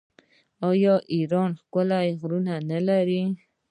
آیا ایران ښکلي غرونه نلري؟